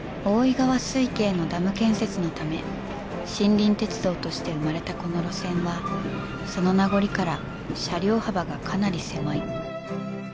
大井川水系のダム建設のため森林鉄道として生まれたこの路線はその名残から車両幅がかなり狭い。